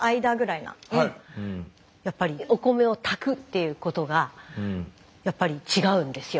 やっぱりお米を炊くっていうことがやっぱり違うんですよ